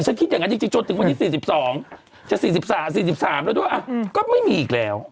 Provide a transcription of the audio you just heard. แล้ว๔๓แล้วด้วยอะก็ไม่มีอีกแล้ว